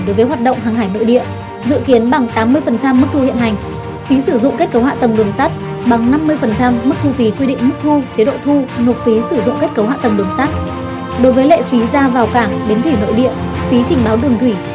đối với lệ phí giao vào cảng bến thủy nội địa phí trình báo đường thủy